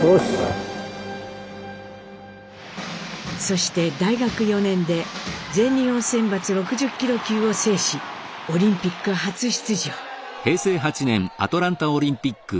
そして大学４年で全日本選抜６０ｋｇ級を制しオリンピック初出場。